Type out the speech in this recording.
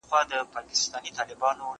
زه هره ورځ سبزېجات خورم!؟